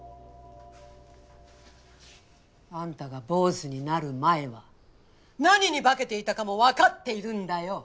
あんたが坊主になる前は何に化けていたかも分かっているんだよ。